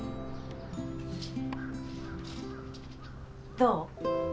どう？